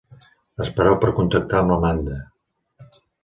Espereu per contactar amb l'Amanda.